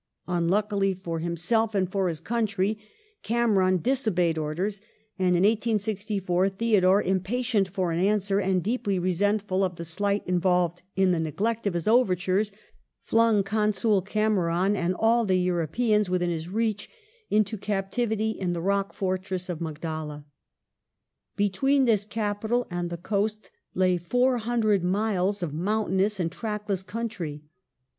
Unluckily for him self and for his country, Cameron disobeyed orders, and in 1864 Theodore, impatient for an answer and deeply resentful of the slight involved in the neglect of his overtures, flung Consul Cameron and all the Europeans within his reach into captivity in the Rock Fortress of Magdala. Between this capital and the coast lay four hundred miles of mountainous and trackless country.